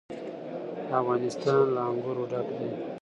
افغانستان له انګور ډک دی.